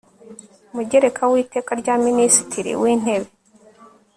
mugereka w Iteka rya Minisitiri w Intebe